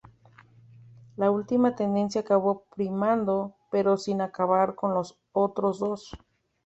La última tendencia acabó primando, pero sin acabar con las otras dos.